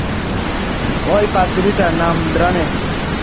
অই পাদ্রীটা, নাম ব্র্যানেন।